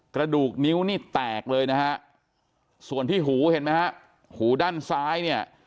กระดูกนิ้วนี่แตกเลยนะฮะส่วนที่หูเห็นไหมฮะหูด้านซ้ายเนี่ย